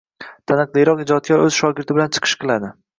Taniqliroq ijodkor oʻz shogirdi bilan chiqish qiladi.